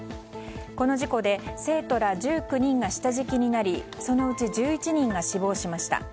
この事故で生徒ら１９人が下敷きになりそのうち１１人が死亡しました。